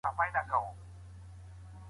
د لور د پرېشانۍ علتونه څنګه معلومولای سو؟